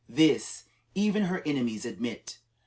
This, even her enemies admit.